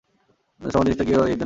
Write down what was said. সমাজ জিনিসটা কি কেবল এইজন্যেই হয়েছে?